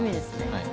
はい。